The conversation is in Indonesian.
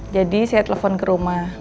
jadi saya telepon ke rumah